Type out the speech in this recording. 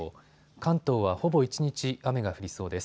関東はほぼ一日、雨が降りそうです。